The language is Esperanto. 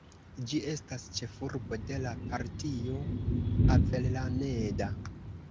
Ĝi estas ĉefurbo de la Partio Avellaneda.